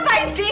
kamu apaan sih